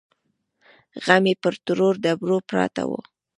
غمي پر تورو ډبرو پراته وو.